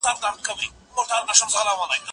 زه کولای سم شګه پاک کړم!.